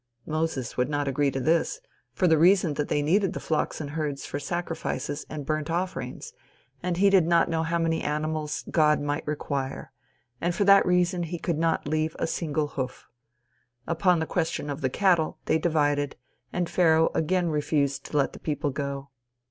Moses would not agree to this, for the reason that they needed the flocks and herds for sacrifices and burnt offerings, and he did not know how many of the animals God might require, and for that reason he could not leave a single hoof. Upon the question of the cattle, they divided, and Pharaoh again refused to let the people go.